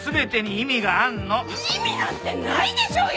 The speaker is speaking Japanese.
意味なんてないでしょうよ！